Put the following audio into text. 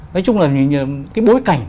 nói chung là cái bối cảnh